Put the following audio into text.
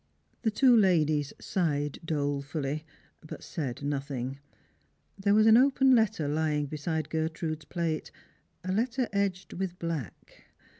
The two ladies sighed dolefully, but said nothing. There was an open letter lying beside Gertrude's plate, a letter edged with black.